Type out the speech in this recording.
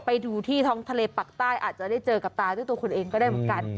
ไปดูที่ท้องทะเลปักใต้อาจจะได้เจอกับตาด้วยตัวคุณเองก็ได้เหมือนกัน